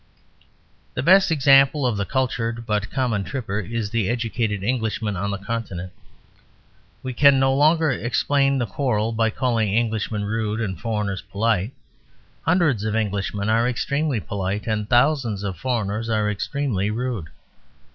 The best example of the cultured, but common, tripper is the educated Englishman on the Continent. We can no longer explain the quarrel by calling Englishmen rude and foreigners polite. Hundreds of Englishmen are extremely polite, and thousands of foreigners are extremely rude.